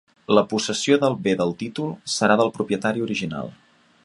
La possessió del bé del títol serà del propietari original.